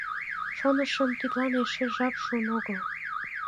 — Шонышым, тидлан эше жап шуын огыл...